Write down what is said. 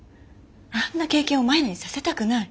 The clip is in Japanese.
あんな経験をマヤにさせたくない。